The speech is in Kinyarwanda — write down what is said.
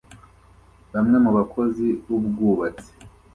Bamwe mu bakozi b'ubwubatsi